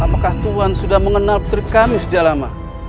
apakah tuhan sudah mengenal putri kami sejauh lama